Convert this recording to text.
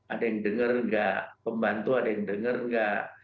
ada yang dengar nggak pembantu ada yang dengar nggak